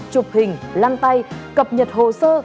chụp hình lăng tay cập nhật hồ sơ